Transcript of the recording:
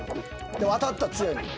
でも当たったら強いねん。